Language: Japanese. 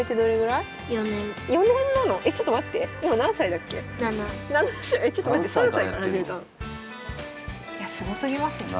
いやすごすぎますよね。